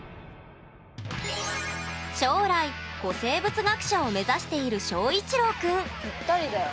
将来古生物学者を目指している翔一郎くんぴったりだよ。